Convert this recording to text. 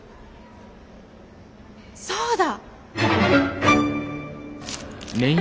そうだ！